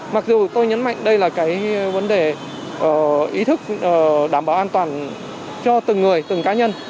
mặc dù tôi nhấn mạnh đây là cái vấn đề ý thức đảm bảo an toàn cho từng người từng cá nhân